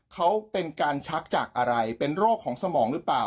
เขาเป็นการชักจากอะไรเป็นโรคของสมองหรือเปล่า